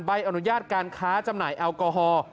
ใบอนุญาตการค้าจำหน่ายแอลกอฮอล์